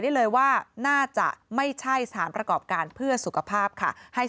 ได้เลยว่าน่าจะไม่ใช่สถานประกอบการเพื่อสุขภาพค่ะให้